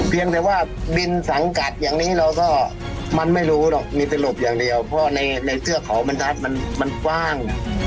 เพราะในเทือกเขาบรรทัศน์มันกว้าง